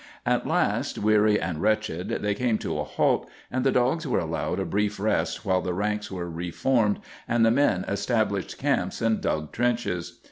At last, weary and wretched, they came to a halt, and the dogs were allowed a brief rest while the ranks were reformed and the men established camps and dug trenches.